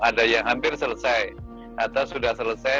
ada yang hampir selesai atau sudah selesai